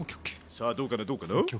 さあどうかなどうかな？